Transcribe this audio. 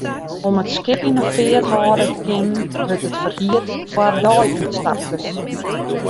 Om it skip yn 'e feart hâlde te kinnen, wurdt it ferhierd foar deiútstapkes.